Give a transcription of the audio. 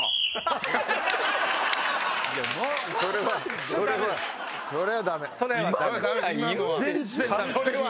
それはそれは。